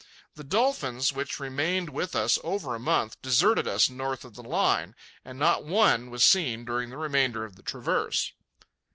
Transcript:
The dolphins, which remained with us over a month, deserted us north of the line, and not one was seen during the remainder of the traverse.